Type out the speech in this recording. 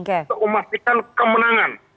kita memastikan kemenangan